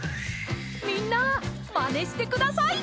みんなまねしてください。